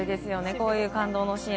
こういう感動のシーン。